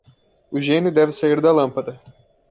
O gênio deve sair da lâmpada